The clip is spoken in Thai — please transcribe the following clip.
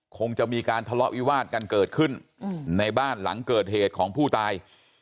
คงจะมีการทะเลาะวิวาดกันเกิดขึ้นในบ้านหลังเกิดเหตุของผู้ตาย